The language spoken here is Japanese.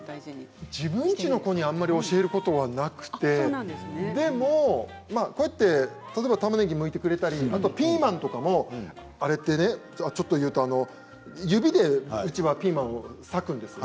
自分の子どもに教えることはあんまりなくてでもこうやってたまねぎをむいてくれたりピーマンとかもねちょっと言うとうちは指でピーマンを割くんです。